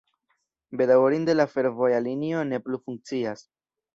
Bedaŭrinde la fervoja linio ne plu funkcias.